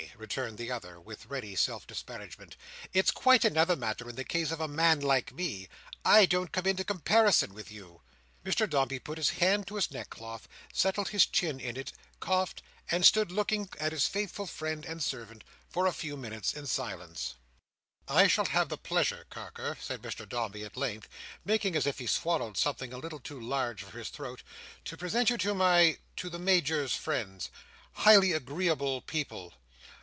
returned the other, with ready self disparagement. "It's quite another matter in the case of a man like me. I don't come into comparison with you." Mr Dombey put his hand to his neckcloth, settled his chin in it, coughed, and stood looking at his faithful friend and servant for a few moments in silence. "I shall have the pleasure, Carker," said Mr Dombey at length: making as if he swallowed something a little too large for his throat: "to present you to my—to the Major's friends. Highly agreeable people."